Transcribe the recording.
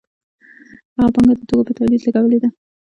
هغه پانګه د توکو په تولید لګولې ده